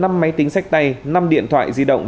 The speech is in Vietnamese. năm máy tính sách tay năm điện thoại di động